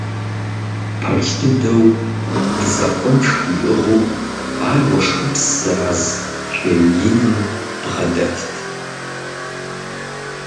Пэж дыдэу, бдзэкъунтх иӀыгъыу ар уэшхыпс зэраз чей иным бгъэдэтт.